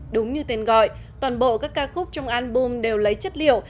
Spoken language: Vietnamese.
đúng như tên gọi toàn bộ các ca khúc trong album đều lấy chất liệu